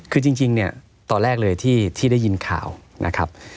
คือจริงเนี่ยตอนแรกเลยที่ได้ยินข่าวนะครับ